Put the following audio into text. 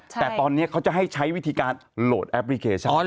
แต่ตอนนี้เขาจะให้ใช้วิธีการโหลดแอปพลิเคชัน